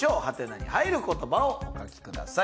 「？」に入る言葉をお書きください。